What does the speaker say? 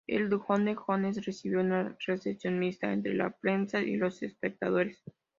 Er Conde Jones recibió una recepción mixta entre la prensa y los espectadores.